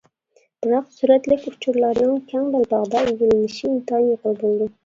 بىراق سۈرەتلىك ئۇچۇرلارنىڭ كەڭ بەلباغدا ئىگىلىنىشى ئىنتايىن يۇقىرى بولىدۇ.